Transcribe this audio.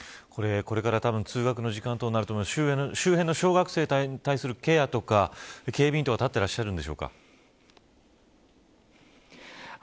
これから、通学の時間となると周辺の小学生に対するケアとか警備員とか、立っていらっしゃるんでしょうか。